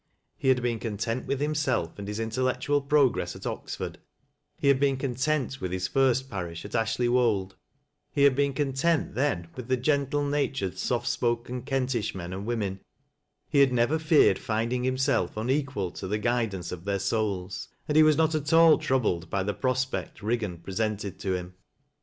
He had been content with himself and his intel lectual progress at ■ Oxford ; he had been content with his first parish at Ashley wold ; he had been content then with the gentle natured, soft spoken Kentish men and women ; he had never feared finding himself unequal to the guidance of their souls, and he was not at all troubled by the prospect Eiggan presented to him.